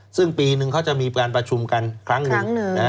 ซึ่งปีนึงเขาจะมีการประชุมกันครั้งหนึ่ง